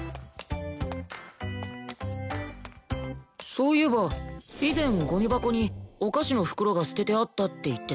そういえば以前ゴミ箱にお菓子の袋が捨ててあったって言ってたな。